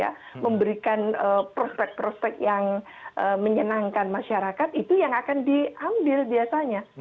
dan juga memperjanjikan sangat tentu gitu ya memberikan prospek prospek yang menyenangkan masyarakat itu yang akan diambil biasanya